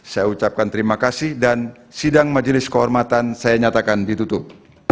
saya ucapkan terima kasih dan sidang majelis kehormatan saya nyatakan ditutup